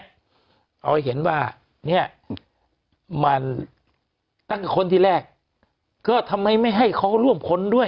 ก็เห็นว่านี่มันต้องคนที่แรกก็ทำไมไม่ให้เขาร่วมคนด้วย